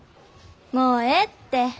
もうええって。